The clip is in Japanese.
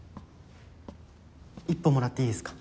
１本もらっていいですか？